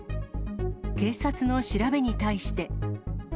警察の調べに対して。